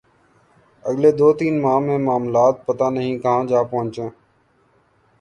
اگلے دو تین ماہ میں معاملات پتہ نہیں کہاں جا پہنچیں۔